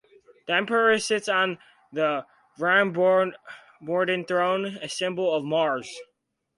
The Emperor sits on a ram-adorned throne, a symbol of Mars.